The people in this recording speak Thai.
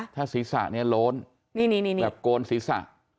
ถ้าศีรษะเนี่ยโล้นแบบโกนศีรษะ